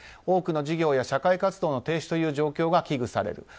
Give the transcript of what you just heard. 多くの事業や社会活動の停止という状況が危惧される。